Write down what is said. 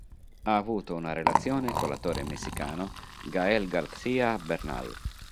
Ha avuto una relazione con l'attore messicano Gael García Bernal.